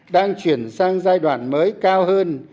đang chuyển sang giai đoạn mới cao hơn